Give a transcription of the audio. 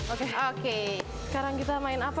oke oke sekarang kita main apa